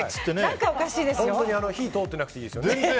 火、通ってなくていいですよね。